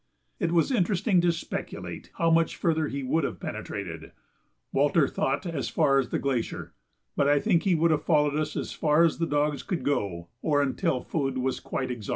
It was interesting to speculate how much further he would have penetrated: Walter thought as far as the glacier, but I think he would have followed as far as the dogs could go or until food was quite exhausted.